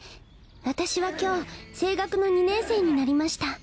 私は今日青学の２年生になりました」。